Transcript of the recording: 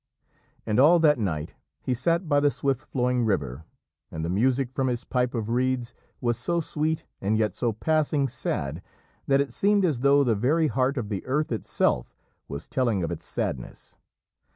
And all that night he sat by the swift flowing river, and the music from his pipe of reeds was so sweet and yet so passing sad, that it seemed as though the very heart of the earth itself were telling of its sadness.